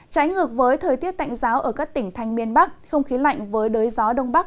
trái ngược với thời tiết tạnh giáo ở các tỉnh thành miền bắc không khí lạnh với đới gió đông bắc